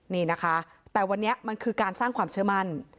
นี่นะคะแต่วันนี้มันคือการสร้างความเชื่อมั่น